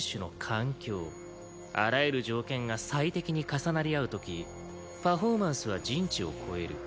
あらゆる条件が最適に重なり合う時パフォーマンスは人知を超える。